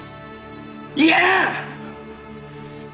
言え！